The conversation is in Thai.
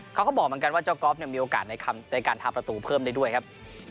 เขาก็บอกเหมือนกันว่าเจ้าก๊อฟมีโอกาสในการทำประตูเพิ่มได้ด้วยครับ